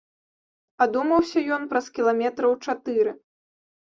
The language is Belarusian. Адумаўся ён праз кіламетраў чатыры.